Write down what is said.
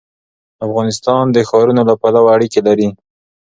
افغانستان د ښارونو له پلوه اړیکې لري.